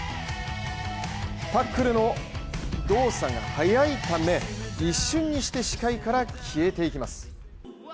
タックルの動作が速いため一瞬にして視界から消えていきます。